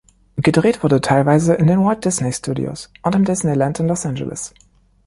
Gedreht wurde teilweise in den Walt-Disney-Studios und im Disneyland in Los Angeles.